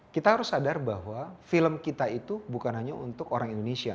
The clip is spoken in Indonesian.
kita harus sadar bahwa film kita itu bukan hanya untuk orang indonesia